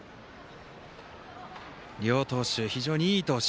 両投手、非常にいい投手。